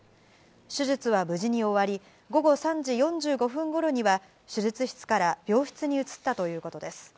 手術は無事に終わり、午後３時４５分ごろには、手術室から病室に移ったということです。